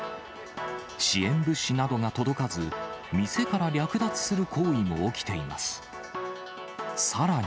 支援物資などが届かず、店から略奪する行為も起きています。